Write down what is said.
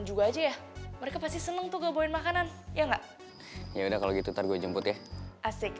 juga aja ya mereka pasti seneng tuh bawain makanan ya nggak ya udah kalau gitu taruh jemput ya asik